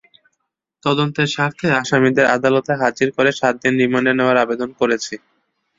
তদন্তের স্বার্থে আসামিদের আদালতে হাজির করে সাত দিন রিমান্ডে নেওয়ার আবেদন করেছি।